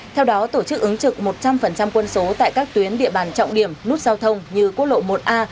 theo đó tổ chức ứng trực một trăm linh quân số tại các tuyến địa bàn trọng điểm nút giao thông như quốc lộ một a